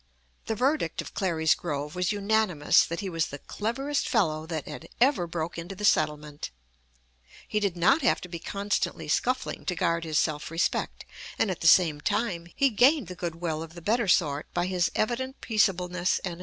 The verdict of Clary's Grove was unanimous that he was "the cleverest fellow that had ever broke into the settlement." He did not have to be constantly scuffling to guard his self respect, and at the same time he gained the good will of the better sort by his evident peaceableness and integrity.